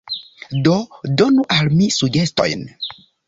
Do donu al mi sugestojn.